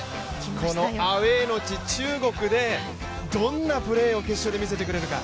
このアウェーの地・中国でどんなプレー見せてくれるか。